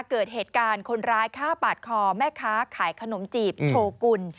เกิดเหตุการณ์คนร้ายฆ่าปาดคอแม่ค้าขายขนมจีบโชกุล